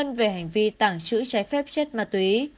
đã nói về hành vi tảng trữ trái phép chất ma túy